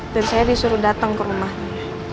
dan saya disuruh datang ke rumahnya